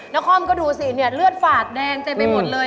นครก็ดูสิเนี่ยเลือดฝาดแดงเต็มไปหมดเลย